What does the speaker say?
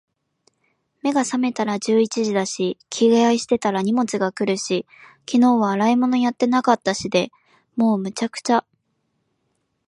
目が覚めたら十一時だし、着替えしてたら荷物が来るし、昨日は洗い物やってなかったしで……もう、滅茶苦茶。